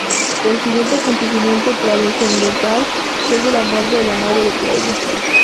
El siguiente acontecimiento trascendental fue el de la muerte de la madre de Claudio.